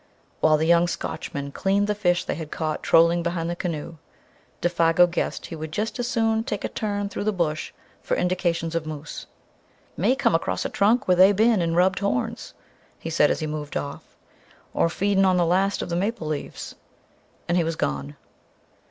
While the young Scotchman cleaned the fish they had caught trolling behind the canoe, Défago "guessed" he would "jest as soon" take a turn through the Bush for indications of moose. "May come across a trunk where they bin and rubbed horns," he said, as he moved off, "or feedin' on the last of the maple leaves" and he was gone.